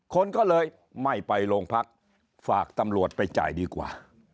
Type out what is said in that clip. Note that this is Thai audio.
คนก็เลยไม่ไปโรงพักฝากตำรวจไปจ่ายดีกว่า